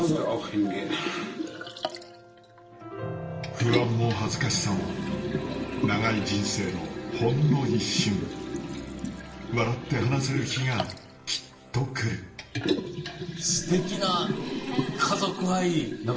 不安も恥ずかしさも長い人生のほんの一瞬笑って話せる日がきっと来るステキな家族愛。ねぇ！